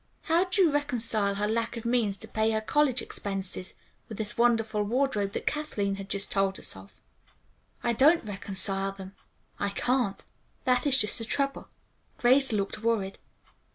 "How do you reconcile her lack of means to pay her college expenses with this wonderful wardrobe that Kathleen has just told us of?" "I don't reconcile them. I can't. That is just the trouble." Grace looked worried.